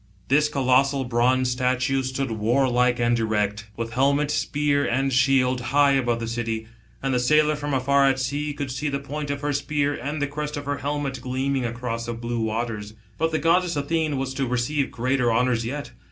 This colossal bronze statue stood warlike and erect, with helmet, spear, and shield, high above the city. And the sailor from afar at sea, could see the point of her spear and the crest of her helmet gleaming across the blue waters. But the goddess Athene was to receive greater honours yet.